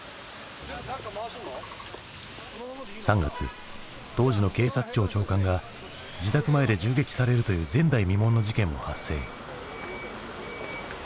３月当時の警察庁長官が自宅前で銃撃されるという前代未聞の事件も発生。